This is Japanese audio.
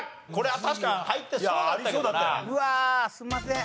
うわすんません。